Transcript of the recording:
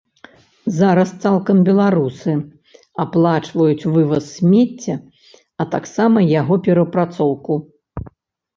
Зараз цалкам беларусы аплачваюць вываз смецця, а таксама яго перапрацоўку.